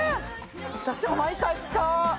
私も毎回使おう！